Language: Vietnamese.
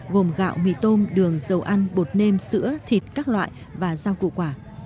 gồm gạo mì tôm đường dầu ăn bột nêm sữa thịt các loại và giao cụ quả